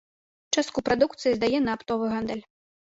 Частку прадукцыі здае на аптовы гандаль.